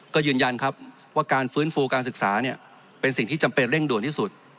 ก็ยืนยันครับว่าการฟื้นฟูการศึกษาเป็นสิ่งที่จำเป็นเร่งด่วนที่สุด